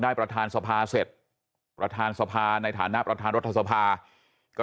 ประธานสภาเสร็จประธานสภาในฐานะประธานรัฐสภาก็